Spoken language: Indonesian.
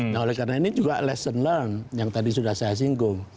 nah oleh karena ini juga lesson learned yang tadi sudah saya singgung